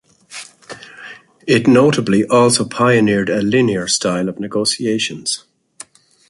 It notably also pioneered a "linear" style of negotiations.